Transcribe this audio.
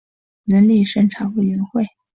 伦理审查委员会